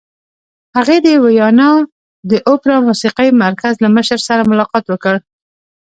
هغې د ویانا د اوپرا موسیقۍ مرکز له مشر سره ملاقات وکړ